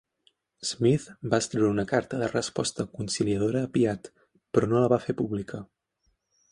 Smith va escriure una carta de resposta conciliadora a Piatt, però no la va fer pública.